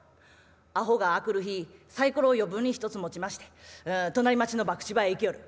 アホが明くる日サイコロを余分に１つ持ちまして隣町の博打場へ行きよる。